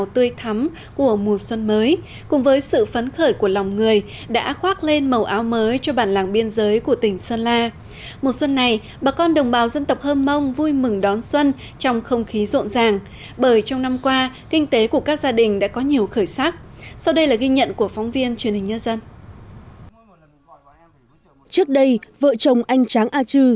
trước đây vợ chồng anh tráng a trư